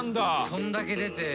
そんだけ出て？